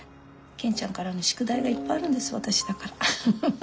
健ちゃんからの宿題がいっぱいあるんです私だから。